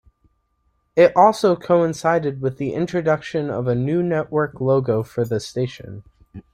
It also coincided with the introduction of a new network logo for the station.